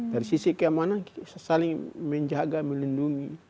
dari sisi keamanan saling menjaga melindungi